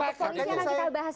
polisi yang kita bahas